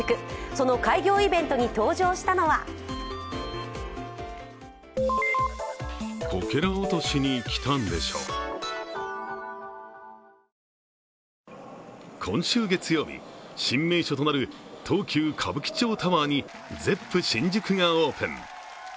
その開業イベントに登場したのは今週月曜日、新名所となる東急歌舞伎町タワーにＺｅｐｐＳｈｉｎｊｕｋｕがオープン。